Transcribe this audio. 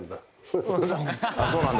「そうなんだ」